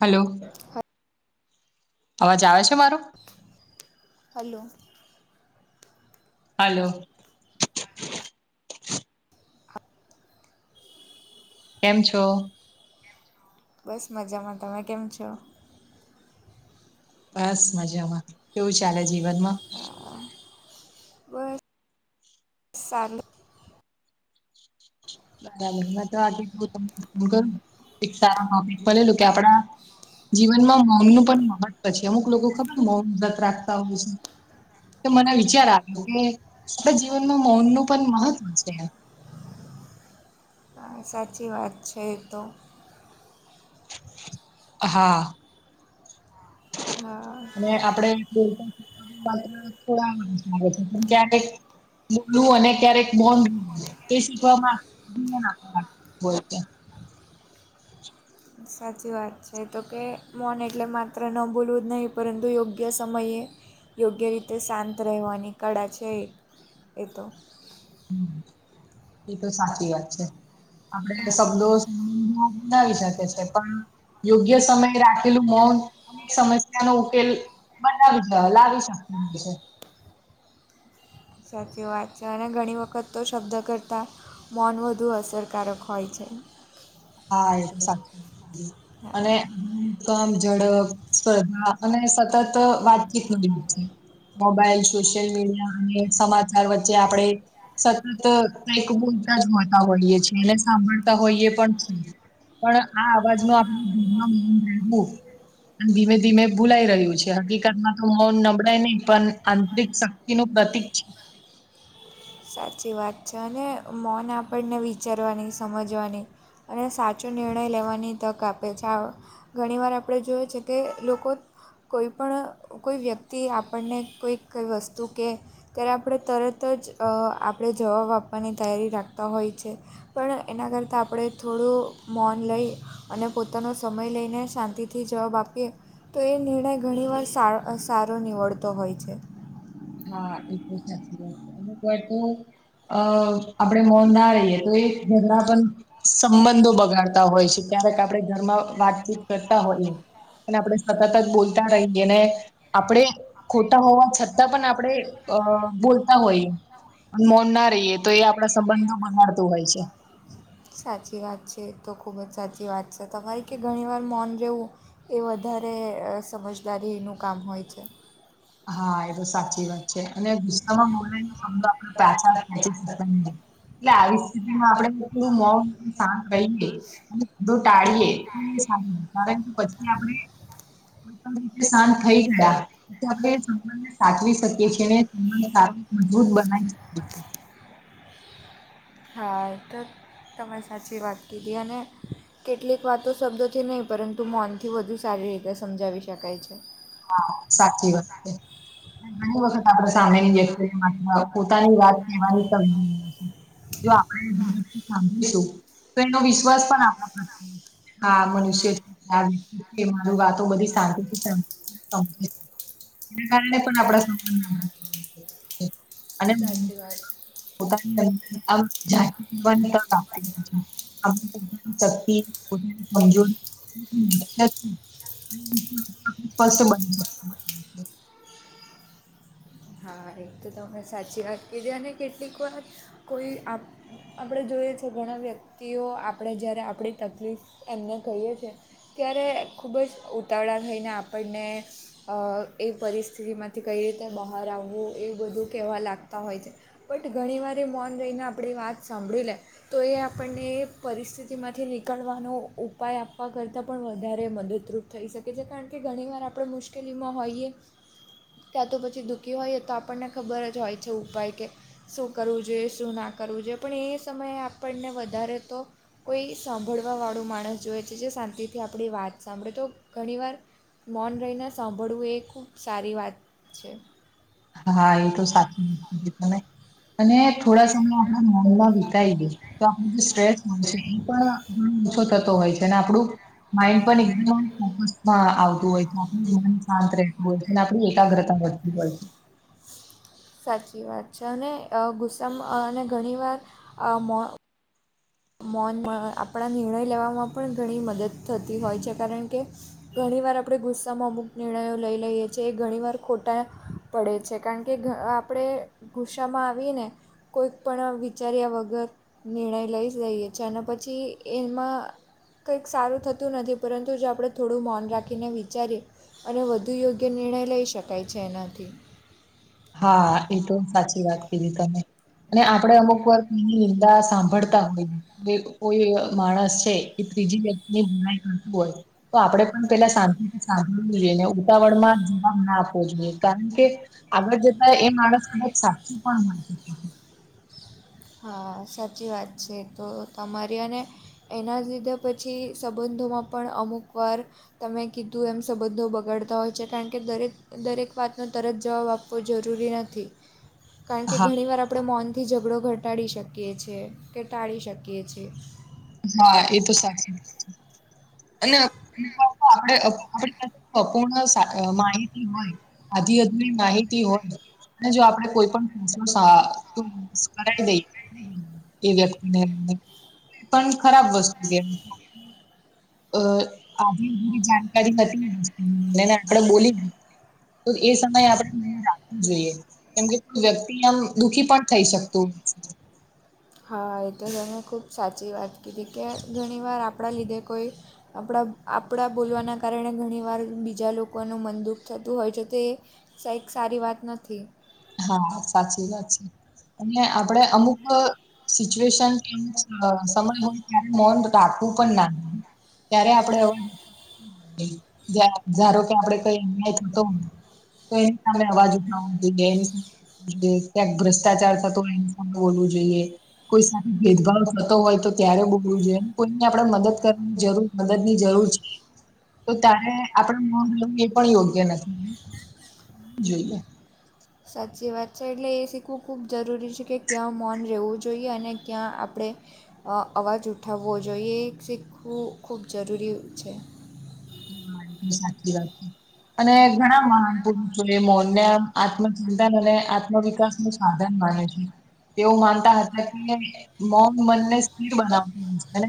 Hello હા અવાજ આવે છે મારો. હલો હલો કેમ છો? બસ મજામાં તમે કેમ છો? બસ મજામાં કેવું ચાલે જીવનમ? સાલ બરાબર હ તો આ [unintelligible] એક [unintelligible] કે આપડા જીવનમાં મૌમનું પણ મહત્વ છે અમુક લોકો ખબર મૌમ વ્રત રાખતા હોય છે તો મને વિચાર આવ્યો કે આપના જીવનમાં મૌનનું પણ મહત્વ છે. હા સાચી વાત છે એ તો. હા હા અને આપડે. હ માત્ર થોડા લાગે છે પણ ક્યારેક, બોલવું અને ક્યારેક [unintelligible] શીખવામાં [unintelligible] સાચી વાત છે તો કે મોન એટલે માત્ર ન બોલવું જ નહીં પરંતુ યોગ્ય સમયે. યોગ્ય રીતે શાંત રહેવાની કળા છે એ તો, હ એ તો સાચી વાત છે. આપડે શબ્દો સંબંધ બનાવી શકે છે પણ, યોગ્ય સમયે રાખેલું મૌન. અનેક સમસ્યા નો ઉકેલ બનાવીજ લાવી શકે છે. સાચી વાત છે અને ઘણી વખત તો શબ્દ કરતા, મોન વધુ અસરકારક હોય છે. હા એ તો સા અને હા [unintelligible] કમ ઝડપ સ્પર્ધા અને સતત વાતચીત [unintelligible] મોબાઈલ, સોશિયલ મીડિયા અને સમાચાર વચ્ચે આપણેે. સતત કંઈક બોલતા જ હોતા હોઈએ છીએ. સાંભળતા હોઈએ પણ પણ આ અવાજ માં આપણે [inaudible] રહેવું. અન ધીમે-ધીમે ભૂલાઈ રહ્યું છે. હકીકતમાં તો મૌન નબળાઈ નહીં પણ આંતરિક શક એનું પ્રતિક છે. સાચી વાત છે. અને મૌન આપણને વિચારવાની, સમજવાની અને સાચો નિર્ણય લેવાની તક આપે છે. આવ ઘણી વાર આપણે જોઈએ છે કે લોકો કોઈ પણ કોઈ વ્યક્તિ આપણને કોઈક વસ્તુ કે ત્યારે આપણે તરત જ અહ આપણે જવાબ આપવાની તૈયારી રાખતા હોય છે. પણ એના કરતાં આપણે થોડું મૌન લઈ અને પોતાનો સમય લઈને શાંતિ થ થી જવાબ આપીએ તો એ નિર્ણય ઘણીવાર સાર સારો નીવડતો હોય છે. હા એ તો સાચી વાત છે. અમુક વાર તો અહ આપણેે મૌન ના રહીએ તો એ ઝઘડા પણ સંબંધો બગાડતા હોય છે. ક્યારેક આપણે ઘરમાં વાતચીત કરતા હોઈએ અને આપણે સતત જ બોલતા રહીએ, ને આપણે ખોટા હોવા છત તા પણ આપણે અહ બોલતા હોઈએ અન મૌન ના રહીએ તો એ આપણા સંબંધો બગાડતું હોય છે. સાચી વાત છે. એ તો ખૂબ જ સાચી વાત છે. તમારી કે ઘણી મૌન રહેવું એ વધારે અહ સમજદારીનું કામ હોય છે. હા એ તો સાચી વાત છે. અને ગુસ્સામાં [inaudible] એટલે આવી સ્થિતિમાં આપણે [unintelligible] મૌન શાંત રહીએ [inaudible] બધું ટાળીએ [inaudible] પછી આપણે [inaudible] શાંત થઈ ગયા તો આપણે સંબંધને સાચવી શકીએ છીએ, અને [inaudible] મજબૂત બનાવી શકીએ છીએ. હા એ તો તમે સાચી વાત કીધી. અને કેટલીક વાતો શબ્દોથી નહીં, પરંતુ મૌનથી વધુ સારી રીતે સમજાવી શકાય છે. હા સાચી વાત છે. અને ઘણી વખત આપણે સામેની વ્યક્તિને માત્ર પોતાની વાત કહેવાની તક [inaudible] જો આપણે જ [inaudible] સાંભળીશું તો એનો વિશ્વાસ પણ આપણા [inaudible] હા. મનુષ્ય [inaudible] શાંતિ થી સાંભ [inaudible] એના કારણે પણ આપણા સંબંધો [inaudible] સાચી વાત છ પોતાની [inaudible] શક્તિ [inaudible] [inaudible] હા એ તો તમે સાચી વાત કીધી. અને કેટલીક વાર કોઈ આપ આપણે જોઇએ છે ઘણા વ્યક્તિઓ આપણે જ્યારે આપણી તકલીફ એમને કહીએ છે ત્યારે ખૂબ જ ઉતાવળા થઈને આપણને અહ એ પરિસ્થિતિમાંથી કંઈ રીતે બહાર આવવું એ બધું કહેવા લાગતા હોય છે. બટ ઘણીવાર એ મૌન રહીને આપણી વાત સાંભળી લે તો એ આપણને પરિસ્થિતિમાંથી નીકળવાનો ઉપાય આપવા કરતાં પણ વધારે મદદરૂપ થઈ શકે છે. કારણ કે ઘણીવાર આપણે મુશ્કેલીમાં હોઈએ [inaudible] કાં તો પછી દુઃખી હોઈએ તો આપણને ખબર જ હોય છે ઉપાય કે શું કરવું જોઈએ, શું ના કરવું જોઈએ. પણ એ સમયે આપણને વધારે તો કોઈ સાંભળવાવાળું માણસ જોઈએ છે જે શાંતિથી આપણી વાત સાંભળે તો ઘણીવાર મૌન રહીને સાંભળવું એ ખૂબ સારી વાત છે. હા એ તો સાચું [inaudible] તમે અને થોડા સમય આપણા મૌનમાં વિતાઈ ગયા. તો આપનું જે સ્ટ્રેસ હોય છે એ પણ ઘણો ઓછો થતો હોય છે અને આપણું માઇન્ડ પણ એકદમ ફોકસમાં આવતું હોય છે. આપું જીવન શાંત રહે. બોલ છે ને આપણી એકાગ્રતા વધતી હોય છે. સાચી વાત છે. અને અ ગુસ્સામાં અને ઘણીવાર અ મો મૌન આપણા નિર્ણય લેવામાં પણ ઘણી મદદ થતી હોય છે કારણ કે ઘણી વાર આપણે ગુસ્સામાં અમુક નિર્ણયો લઈ લઈએ છીએ. ઘણીવાર ખોટા એ પડે છે. કારણ કે આપણે ગુસ્સામાં આવીને કોઈ પણ વિચાર્યા વગર નિર્ણય લઈ લઈએ છીએ અને પછી એમાં કંઈક સારું થતું નથી પરંતુ જો આપણે થોડું મૌન રાખીને વિચારીએ અને વધુ યોગ્ય નિર્ણય લઈ શકાય છે એનાથી. હા એ તો સાચી વાત કીધી તમે. અને આપડે અમુક વાર [inaudible] બધા સાંભળતા હોઈએ કોઈ માણસ છે એ ત્રીજી વ્યક્તિને લડાઈ કરતું હોય. તો આપણેે પણ પેલા શાંતિથી સાંભળવું જોઈએ. અને ઉતાવળમાં જવાબ ના આપવો જોઈએ કારણ કે આગળ જતા એ માણસ કદાચ સાચું પણ હોય શકે છે. હા સાચી વાત છે તો તમારી અને એના લીધે પછી સંબંધોમાં પણ અમુક વાર તમે કીધું એમ સંબંધો બગડતા હોય છે. કારણ કે દરેક દરેક વાતનો તરત જવાબ આપ વો જરુરી નથી. હ [unintelligible] કારણ કે ઘણી વાર આપણે મૌનથી ઝઘડો ઘટાડી શકીએ છીએ કે ટાળી શકીએ છીએ. હા એ તો સાચી વાત છે. અને [inaudible] આપણે અપૂર્ણ માહિતી હોય આધી અધુરી માહિતી હોય. અને જો આપડે કોઈ પણ [unintelligible] કરાઈ દઈ. તે વ્યક્તિને એમને પણ ખરાબ વસ્તુ કેવાય. અ આવી [unintelligible] જાણકારી હતી [unintelligible] આપણેે બોલી તો એ સમયે આપણે નહી રાખવું જોઈએ. કેમ કે કોઈ વ્યક્તિ આમ દુઃખી પણ થઈ શકતું. હા એતો તમે ખૂબ સાચી વાત કીધી કે ઘણી વાર આપણા લીધે કોઈ આપણા આપણા બોલવાના કારણે ઘણીવાર બીજા લોકોનું મનદુઃખ થતું હોય છે તે શાયદ સારી વાત નથી. હા સાચી વાત છે. અને આપડે અમુક સિચ્યુએશન કે અમુક અ સમય હોય ત્યારે મૌન રાખવું પણ ના જોઈએ. ત્યારે આપડે [inaudible] ધારો કે આપણે કઈ ને તો તો એની સામે અવાજ ઉઠાવવો જોઈએ એ જોઈએ ક્યાંક ભ્રષ્ટાચાર થતો હોય એની સામે બોલવું જોઈએ. કોઈ સાથે ભેદભાવ થતો હોય તો ત્યારે બોલવું જોઈએ, એમ કોઈને આપણે મદદ કરવાની જરૂર મદદની જરૂર છે તો તારે આપણે મોન રહેવું એ પણ યોગ્ય નથી. જોઈએ. સાચી વાત છે એટલે એ શીખવું ખૂબ જરૂરી છે કે ક્યાં મૌન રહેવું જોઈએ અને ક્યાં આપણે. અવાજ ઉઠાવવો જોઈએ શીખવું ખૂબ જરૂરી હોય છે હા એ સાચી વાત છે અને ઘણા મહાન પુરુષો એ મોન ને આત્મચિતાન અને આત્મવિકાસ ન [unintelligible] એવું માનતા હતા કે મૌન મનને સ્થિર બનાવવું છે.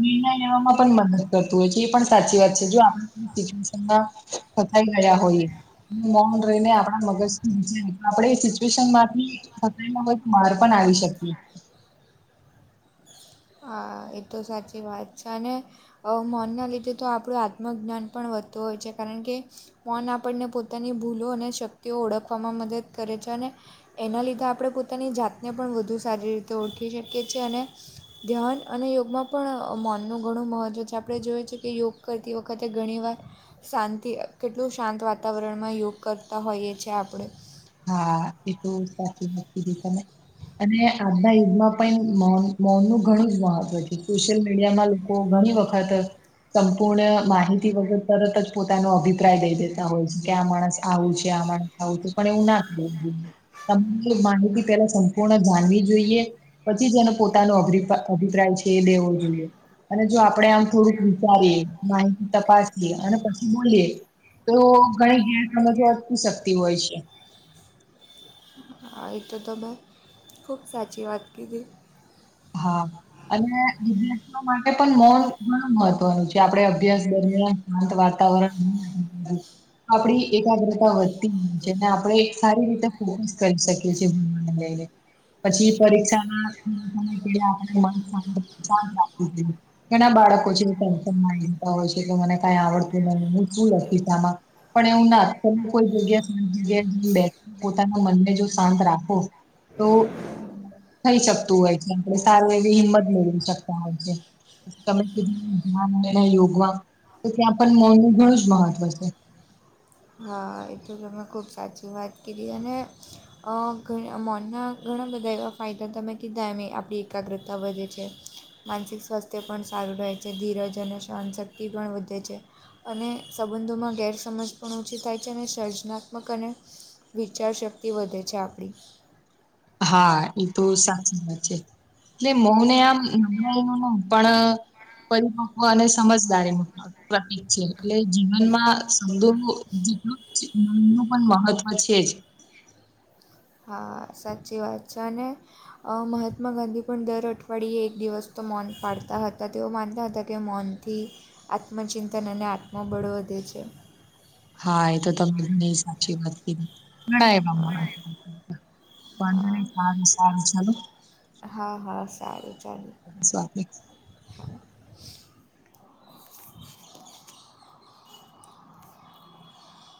નિર્ણય લેવામાં પણ મદદ કરતું હોય છે એ પણ સાચી વાત છે જો આપણે [unintelligible] [unintelligible] મૌન રહીને આપણા મગજ થી આપણે સિચ્યુએશન માંથી [unintelligible] [unintelligible] માર પણ આવી શકે હા એ તો સાચી વાત છે અને અ મૌનના લીધે તો આપણું આત્મજ્ઞાન પણ વધતું હોય છે કારણ કે મૌન આપણને પોતાની ભૂલો અને શક્તિઓ ઓળખવામાં મદદ કરે છે અને એના લીધે આપણે પોતાની જાતને પણ વધુ સારી રીતે ઓળખી શકીએ છીએ. અને ધ્યાન અને યોગમાં પણ મનનું ઘણું મહત્ત્વ છે. આપણે જોઈએ છીએ. કે યોગ કરતી વખતે ઘણીવાર શાંતિ કેટલું શાંત વાતાવરણમાં યોગ કરતા હોઈએ છીએ. આપણે હા એ તો સાચી વાત છે. અને આજ ના યુગમાં પણ [unintelligible] મૌન નું ઘણું જ મહત્વ છે. સોશિયલ મીડિયામાં લોકો ઘણી વખત સંપૂર્ણ માહિતી વગર તરત જ પોતાનો અભિપ્રાય લઈ દેતા હોય છે. કે આ માણસ આવું છે. આમાં આવું હતું પણ એવું ના [inaudible] માહિતી સંપૂર્ણ જાણવી જોઈએ. પછી તેનો પોતાનો અભિ અભિપ્રાય લેવો જોઈએ. અને જો આપણેે આમ થોડુંક વિચારીએ, માહિતી તપાસીએ, અને પછી બોલીએ. તો ઘણી ઘેર સમજ અટકી શકતી હોય છે. હા એ તો તો ખૂબ સાચી વાત કીધી. હા અને [inaudible] માટે પણ મોન ઘણું મહત્વનું છે. કે આપણે અભ્યાસ દરમિયાન શાંત વાતાવરણ [unintelligible] આપણી એકાગ્રતા વધતી હોય છે. આપણે સારી રીતે ફોકસ કરી શકીએ છીએ. ભણવાને લઈને. પછી પરીક્ષા માં આપણે મન શા શાંત રાખવું જોઈએ. ઘણા બાળકો છે. ટેન્શન તા હોય છે, કે મને કઈ આવડતું નથી, હું શું લખીશ. આમાં? પણ એવું ના અત્યારે કોઈ જગ્યા સાત જગ્યા જે બેઠ પોતાના મનને જો શાંત રાખો. તો થઈ શકતું હોય છે. આપણે સારીું એવી હિંમત મેળવી શકતા હોય છે. તમેધું ધ્યાન યોગમાં તો ત્યાં પણ મનનું ઘણું જ મહત્વ છે. હા એ તો જ તમે ખુબ સાચી વાત કીધી. અને અ મોનના ઘણા બધા એવા ફાયદા તમે કીધા એમ આપણી એકાગ્રતા વધે છે. માનસિક સ્વાસ્થ્ય પણ સારું રહે છે. ધીરજ અને સહનશક્તિ પણ વધે છે. અને સબંધોમાં ગેરસમજ પણ ઓછી થાય છે. અને સર્જનાત્મક અને વિચારશક્તિ વધે છે. આપણી હા એ તો સાચી વાત છે. એટલે મૌને આમ હા [unintelligible] પણ પરિપક્વ અને સમજદારી પ્રતિક છે. એટલે જીવનમાં [unintelligible] જેટલું પણ મહત્વ છે. જ હા સાચી વાત છે. અને મહાત્માં ગાંધી પણ દર અઠવાડિયે એક દિવસ તો મૌન પાડતા હતા. તેઓ માનતા હતા. કે કે મૌનથી આત્મચિંતન અને આત્મબળ વધે છે. હા એ તો તમે મને સાચી વાત કીધી. ઘણાં એ [unintelligible] વાંધો હા નઈ સારું સારું ચાલો હા હા સારું ચાલ. સ્વા